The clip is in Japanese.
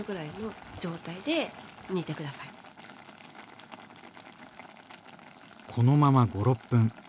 こうこのまま５６分。